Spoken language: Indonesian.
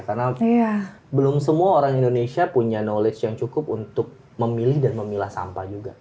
karena belum semua orang indonesia punya knowledge yang cukup untuk memilih dan memilah sampah juga